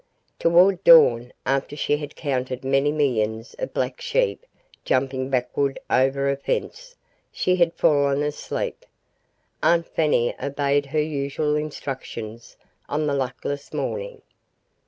Toward dawn, after she had counted many millions of black sheep jumping backward over a fence, she had fallen asleep. Aunt Fanny obeyed her usual instructions on this luckless morning.